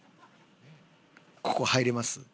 ここ入れます？